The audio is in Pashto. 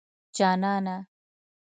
جانانه